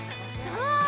そう。